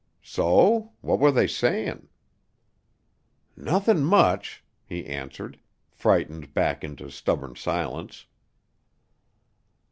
"So? What were they saying?" "Nothin' much," he answered, frightened back into stubborn silence.